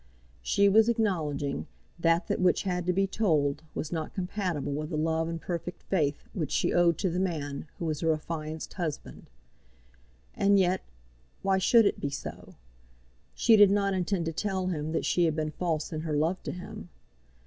She was acknowledging that that which had to be told was not compatible with the love and perfect faith which she owed to the man who was her affianced husband. And yet, why should it be so? She did not intend to tell him that she had been false in her love to him.